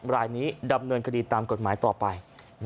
รายนี้ดำเนินคดีตามกฎหมายต่อไป